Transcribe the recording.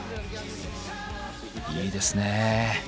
いいですね。